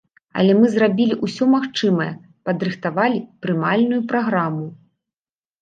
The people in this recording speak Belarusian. Але мы зрабілі ўсё магчымае, падрыхтавалі прымальную праграму.